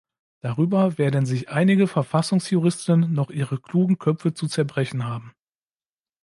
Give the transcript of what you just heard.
Darüber werden sich einige Verfassungsjuristen noch ihre klugen Köpfe zu zerbrechen haben.